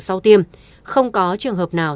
sau tiêm không có trường hợp nào